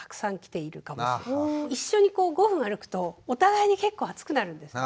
一緒に５分歩くとお互いに結構暑くなるんですね。